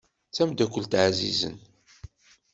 D tamdakkelt ɛzizen.